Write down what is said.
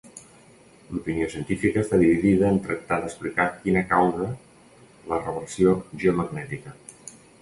L'opinió científica està dividida en tractar d'explicar quina causa la reversió geomagnètica.